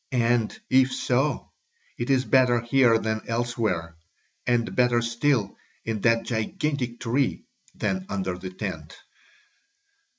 And if so, it is better here than elsewhere, and better still in that gigantic tree than under the tent."